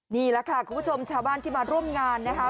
นี่แหละค่ะคุณผู้ชมชาวบ้านที่มาร่วมงานนะคะ